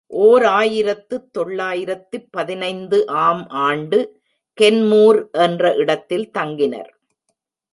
ஓர் ஆயிரத்து தொள்ளாயிரத்து பதினைந்து ஆம் ஆண்டு கென்மூர் என்ற இடத்தில் தங்கினர்.